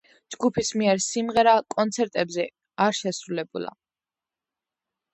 ჯგუფის მიერ სიმღერა კონცერტებზე არ შესრულებულა.